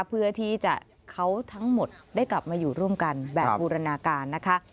เพื่อที่จะเขาทั้งหมดได้กลับมาอยู่ร่วมกันแบบบูรณาการนะคะ